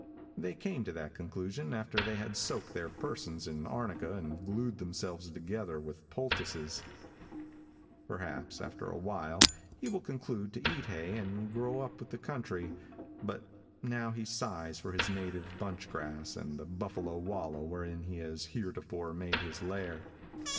They came do that conclusion after they had soaked their persons in arnica and glued themselves together with poultices. [Illustration: 0089] Perhaps, after a while, he will conclude to eat hay and grow up with the country, but now he sighs for his native bunch grass and the buffalo wallow wherein he has heretofore made his lair.